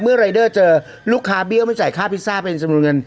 เมื่อรายเดอร์เจอลูกค้าเบี้ยวมันใส่ค่าพิซซ่าเป็นสมุนเงิน